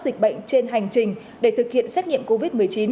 dịch bệnh trên hành trình để thực hiện xét nghiệm covid một mươi chín